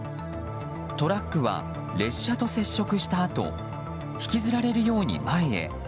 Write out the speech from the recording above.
トラックは列車と接触したあと引きずられるように前へ。